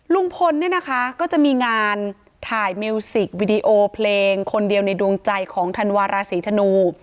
ลุงพลเนี่ยนะคะก็จะมีงานถ่ายมิวสิกวิดีโอเพลงคนเดียวในดวงใจของธันวาราศีธนู